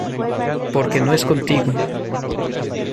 porque no es contigo.